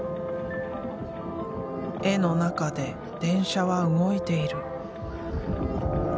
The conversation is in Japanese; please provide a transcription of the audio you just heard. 絵の中で電車は動いている。